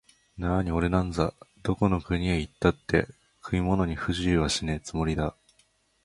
なあにおれなんざ、どこの国へ行ったって食い物に不自由はしねえつもりだ